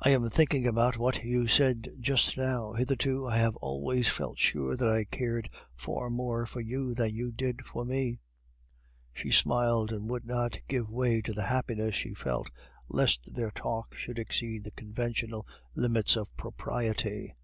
"I am thinking about what you said just now. Hitherto I have always felt sure that I cared far more for you than you did for me." She smiled, and would not give way to the happiness she felt, lest their talk should exceed the conventional limits of propriety.